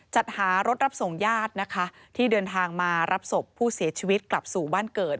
จัดหารถรับส่งญาตินะคะที่เดินทางมารับศพผู้เสียชีวิตกลับสู่บ้านเกิด